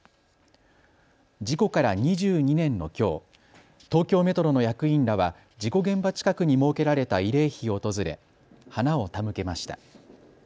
事故から２２年のきょう、東京メトロの役員らは事故現場近くに設けられた慰霊碑を訪れ花を手向けました。